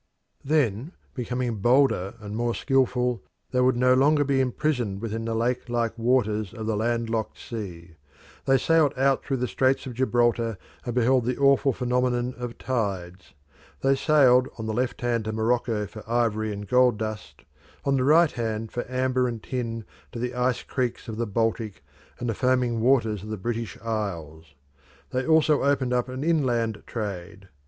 Then, becoming bolder and more skilful, they would no longer be imprisoned within the lake like waters of the land locked sea. They sailed out through the Straits of Gibraltar and beheld the awful phenomenon of tides. They sailed on the left hand to Morocco for ivory and gold dust, on the right hand for amber and tin to the ice creeks of the Baltic and the foaming waters of the British Isles. They also opened up an inland trade.